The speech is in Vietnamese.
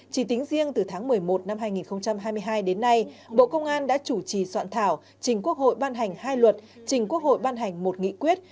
chỉ tính riêng từ tháng một mươi một năm hai nghìn hai mươi hai đến nay bộ công an đã chủ trì soạn thảo trình quốc hội ban hành hai luật trình quốc hội ban hành một nghị quyết